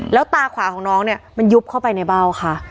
แล้วตาขวาของน้องเนี่ยมันยุบเข้าไปในเบ้าค่ะ